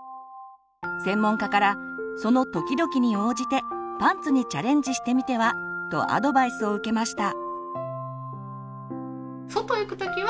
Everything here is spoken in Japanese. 専門家から「その時々に応じてパンツにチャレンジしてみては」とアドバイスを受けました。